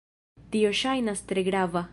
Tio ŝajnas tre grava